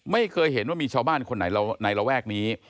ไม่เคยเห็นว่ามีชาวบ้านคนไหนในระแวกนี้